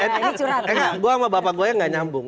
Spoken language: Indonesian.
gue sama bapak gue aja gak nyambung